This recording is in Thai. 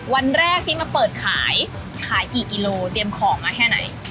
วันแรกที่มาเปิดขายขายกี่กิโลเตรียมของมาแค่ไหน